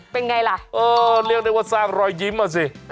เป็นไงล่ะเออเรียกได้ว่าสร้างรอยยิ้มอ่ะสิ